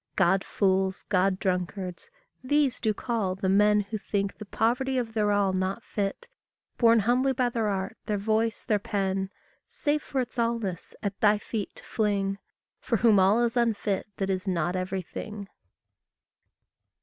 God fools, God drunkards these do call the men Who think the poverty of their all not fit, Borne humbly by their art, their voice, their pen, Save for its allness, at thy feet to fling, For whom all is unfit that is not everything.